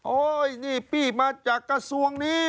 นี่พี่มาจากกระทรวงนี้